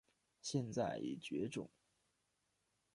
现在已绝种。